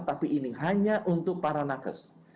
tapi ini hanya untuk para nakes